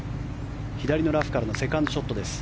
左のラフからのセカンドショットです。